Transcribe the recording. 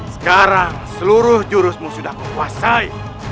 sekarang seluruh jurusmu sudah kuasai